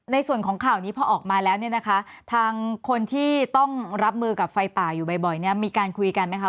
ในส่วนของข่าวนี้พอออกมาแล้วเนี่ยนะคะทางคนที่ต้องรับมือกับไฟป่าอยู่บ่อยเนี่ยมีการคุยกันไหมคะ